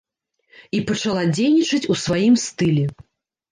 І пачала дзейнічаць у сваім стылі.